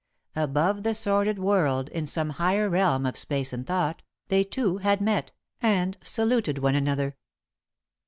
Above the sordid world, in some higher realm of space and thought, they two had met, and saluted one another.